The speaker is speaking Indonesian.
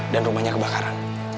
dan rumahnya kebakaran